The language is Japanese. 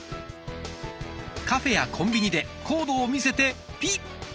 カフェやコンビニでコードを見せてピッ！